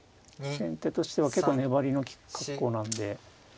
先手としては結構粘りの利く格好なんで。